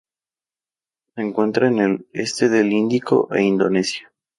Se encuentra en el este del Índico e Indonesia.